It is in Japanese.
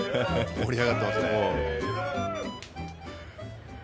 盛り上がっていますね。